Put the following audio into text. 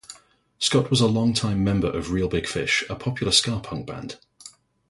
Scott was a long-time member of Reel Big Fish, a popular ska punk band.